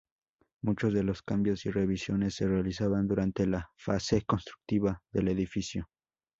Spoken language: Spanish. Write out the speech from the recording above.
Muchos de los cambios y revisiones se realizaban durante la fase constructiva del edificio.